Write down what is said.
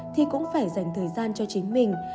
thì cũng phải dành thời gian cho chính mình